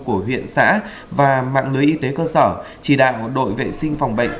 của huyện xã và mạng lưới y tế cơ sở chỉ đạo đội vệ sinh phòng bệnh